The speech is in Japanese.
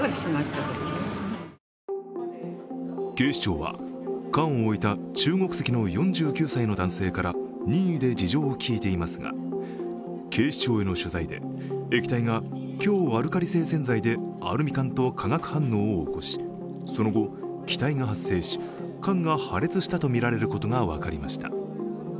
警視庁は缶を置いた中国籍の４９歳の男性から任意で事情を聴いていますが、警視庁への取材で液体が強アルカリ性洗剤でアルミ缶と化学反応を起こしその後、気体が発生し缶が破裂したとみられることが分かりました。